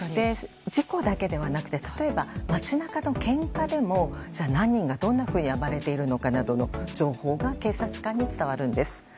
事故だけではなくて例えば、街中のけんかでも、何人がどんなふうに暴れているのかなどの情報が警察官に伝わるんです。